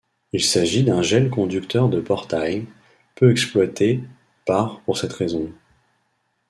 Il s'agit d'un gel conducteur de portail, peu exploité par pour cette raison.